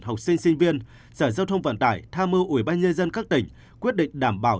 học sinh sinh viên sở giao thông vận tải tham mưu ủy ban nhân dân các tỉnh quyết định đảm bảo